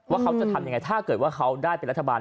ว่าเขาจะทำยังไงถ้าเกิดว่าเขาได้เป็นรัฐบาล